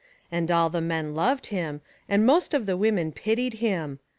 And all the men loved him, And most of the women pitied him.